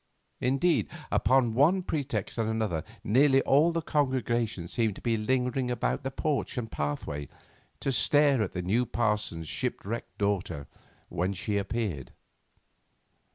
Indeed, upon one pretext and another nearly all the congregation seemed to be lingering about the porch and pathway to stare at the new parson's shipwrecked daughter when she appeared.